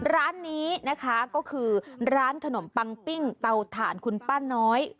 ร้านนี้นะคะก็คือร้านขนมปังปิ้งเตาถ่านคุณป้าน้อย